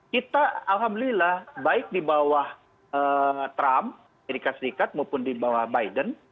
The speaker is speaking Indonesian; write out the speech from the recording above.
kita alhamdulillah baik di bawah trump amerika serikat maupun di bawah biden